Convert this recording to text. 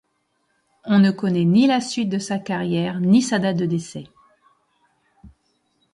On ne connaît ni la suite de sa carrière, ni sa date de décès.